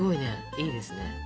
いいですね。